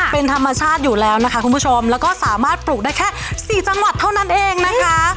เป็นธรรมชาติอยู่แล้วนะคะคุณผู้ชมแล้วก็สามารถปลูกได้แค่สี่จังหวัดเท่านั้นเองนะคะ